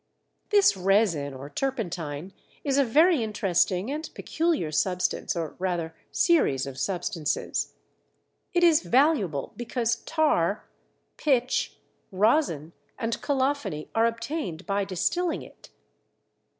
This resin or turpentine is a very interesting and peculiar substance, or rather series of substances. It is valuable because tar, pitch, rosin, and colophony are obtained by distilling it.